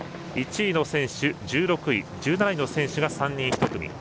１位の選手、１６位１７位の選手が３人１組。